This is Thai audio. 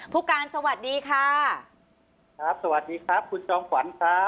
ผู้การสวัสดีค่ะครับสวัสดีครับคุณจอมขวัญครับ